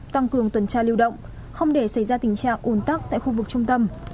tăng cường tuần tra lưu động không để xảy ra tình trạng ủn tắc tại khu vực trung tâm